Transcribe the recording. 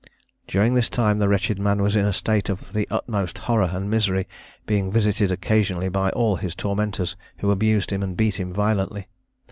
During this time the wretched man was in a state of the utmost horror and misery, being visited occasionally by all his tormentors, who abused him, and beat him violently.